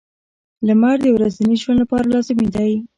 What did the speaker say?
• لمر د ورځني ژوند لپاره لازمي دی.